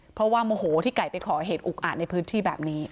เพราะว่าโมโหที่ไก่ไปก่อเหตุอุกอาจในพื้นที่แบบนี้